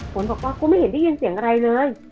ฝนบอกว่ากูไม่เห็นได้ยินเสียงอะไรเลย